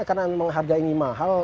karena harga ini mahal